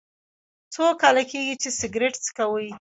څو کاله کیږي چې سګرټ څکوئ؟